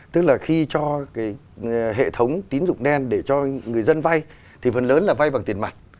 tức là khi cho cái hệ thống tín dụng đen để cho người dân vay thì phần lớn là vay bằng tiền mặt